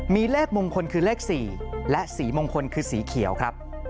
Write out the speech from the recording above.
มีเลขมงคลคือเลข๔และสีมงคลคือสีเขียวครับ